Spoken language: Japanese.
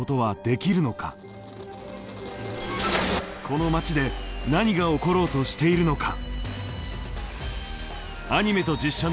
この町で何が起ころうとしているのか。